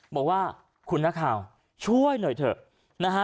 บอกว่าคุณภาคาวช่วยหน่อยเถอะ